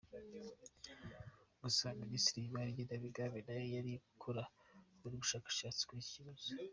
Gusa Minisiteri y’Imari n’Igenamigambi nayo iri gukora ubundi bushakashatsi kuri iki kibazo.